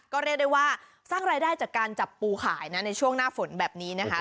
ก็เรียกได้ว่าสร้างรายได้จากการจับปูขายนะในช่วงหน้าฝนแบบนี้นะคะ